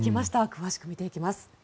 詳しく見ていきます。